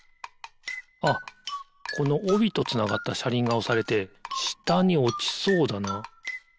あっこのおびとつながったしゃりんがおされてしたにおちそうだな。